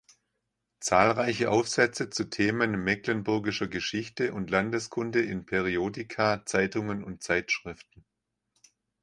Zahlreiche Aufsätze zu Themen mecklenburgischer Geschichte und Landeskunde in Periodika, Zeitungen und Zeitschriften.